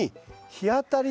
日当たり。